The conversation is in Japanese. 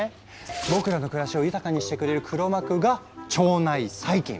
僕らの暮らしを豊かにしてくれる黒幕が腸内細菌。